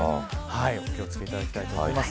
お気を付けいただきたいと思います。